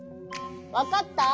わかった？